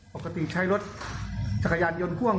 ปกติใช้รถจักรยานยนต์พ่วง